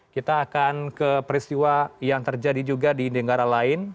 kita akan ke peristiwa yang terjadi juga di negara lain